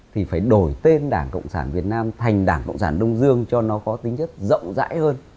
thì phải đổi tên đảng cộng sản việt nam thành đảng cộng sản đông dương cho nó có tính chất rộng rãi hơn